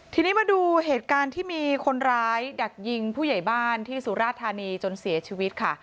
ทีนี้มาดูเหตุการณ์ที่มีคนร้ายดักยิงผู้ใหญ่บ้านที่สุราธานีจนเสียชีวิตค่ะ